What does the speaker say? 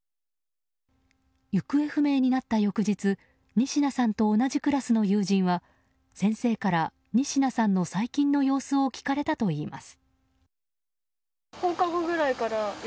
行方不明になった翌日仁科さんと同じクラスの友人は先生から仁科さんの最近の様子を聞かれたといいます。